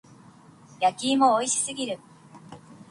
焼き芋美味しすぎる。